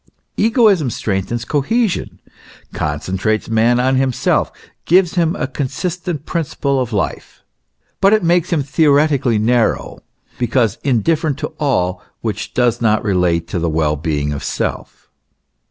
Egoism strengthens cohesion, concentrates man on himself, gives him a consistent principle of life ; but it makes him theoretically narrow, because in different to all which does not relate to the well being of self.